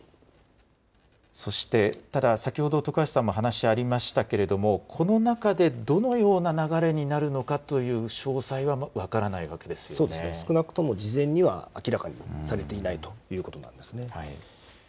そして、ただ先ほど徳橋さんも話ありましたけれども、この中でどのような流れになるのかという詳細は分からないわけでそうですね、少なくとも事前には明らかにされていないということなんですね。